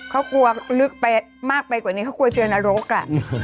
เขากลัวลึกไปมากไปกว่านี้เขากลัวเจอนรก